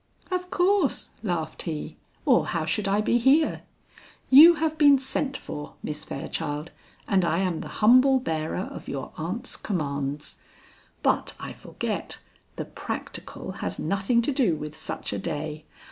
"Of course," laughed he, "or how should I be here? You have been sent for, Miss Fairchild, and I am the humble bearer of your aunt's commands. But I forget, the practical has nothing to do with such a day.